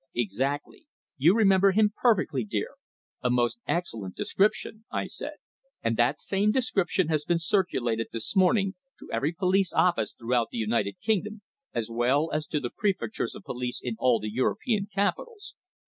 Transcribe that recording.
"Exactly. You remember him perfectly, dear. A most excellent description," I said; "and that same description has been circulated this morning to every police office throughout the United Kingdom, as well as to the prefectures of police in all the European capitals.